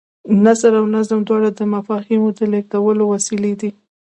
نثر او نظم دواړه د مفاهیمو د لېږدولو وسیلې دي.